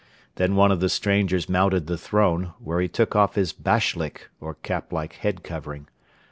Then one of the strangers mounted the throne, where he took off his bashlyk or cap like head covering.